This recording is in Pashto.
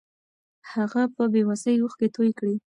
هغه په بې وسۍ اوښکې توې کړې.